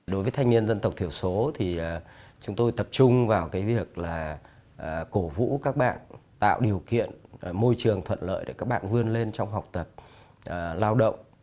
đối với thanh niên dân tộc thiểu số thì chúng tôi tập trung vào cái việc là cổ vũ các bạn tạo điều kiện môi trường thuận lợi để các bạn vươn lên trong học tập lao động